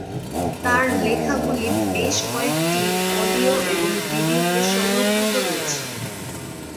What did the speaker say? তার লেখাগুলি বেশ কয়েকটি অডিও এবং ভিডিও তে সংরক্ষিত রয়েছে।